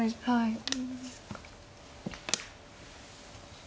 はい。